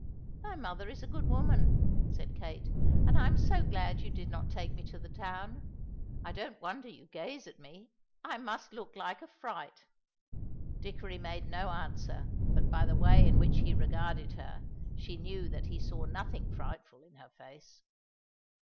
"Thy mother is a good woman," said Kate, "and I am so glad you did not take me to the town. I don't wonder you gaze at me; I must look like a fright." Dickory made no answer, but by the way in which he regarded her, she knew that he saw nothing frightful in her face.